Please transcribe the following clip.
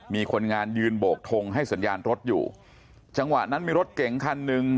มีคนงานยืนโบกทงให้สัญญาณรถอยู่จังหวะนั้นมีรถเก๋งคันหนึ่ง